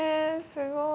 すごい。